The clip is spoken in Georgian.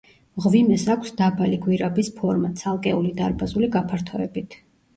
მღვიმეს აქვს დაბალი გვირაბის ფორმა, ცალკეული დარბაზული გაფართოებით.